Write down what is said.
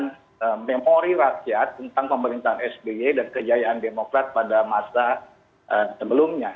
dengan memori rakyat tentang pemerintahan sby dan kejayaan demokrat pada masa sebelumnya